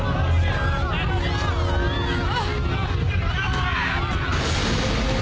ああ。